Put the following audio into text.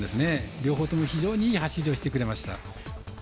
両方とも非常にいい走りをしてくれました。